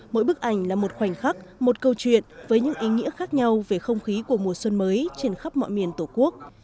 mỗi bức ảnh là một khoảnh khắc một câu chuyện với những ý nghĩa khác nhau về không khí của mùa xuân mới trên khắp mọi miền tổ quốc